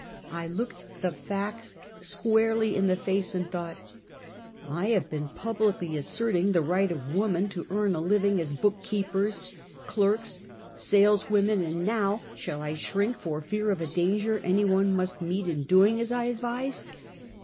I looked the facts squarely in the face and thought: " I have been publicly asserting the right of woman to earn a living as book keepers, clerks, sales women, and now shall I shrink for fear of a danger any one mwst meet in doing as I advised?